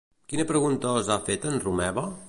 Quina pregunta els ha fet en Romeva?